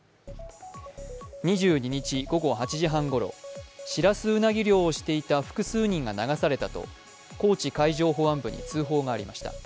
２２日午後８時半ごろ、シラスウナギ漁をしていた複数人が流されたと高知海上保安部に通報がありました。